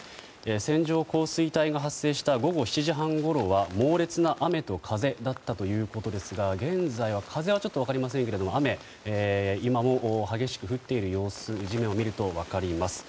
線状降水帯が発生した午後７時半ごろは猛烈な雨と風だったということですが現在は風はちょっと分かりませんが雨、今も激しく降っている様子が地面を見ると分かります。